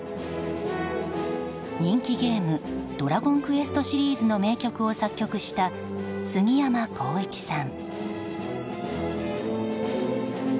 人気ゲーム「ドラゴンクエスト」シリーズの名曲を作曲したすぎやまこういちさん。